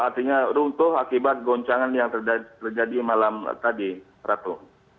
artinya runtuh akibat goncangan yang terjadi malam tadi ratu